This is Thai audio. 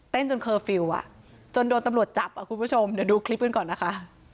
จนเคอร์ฟิลล์จนโดนตำรวจจับคุณผู้ชมเดี๋ยวดูคลิปกันก่อนนะคะ